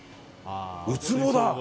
ウツボだ。